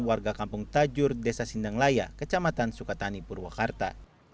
warga kampung tajur desa sindanglaya kecamatan sukatani purwakarta